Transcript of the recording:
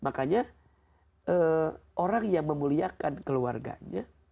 makanya orang yang memuliakan keluarganya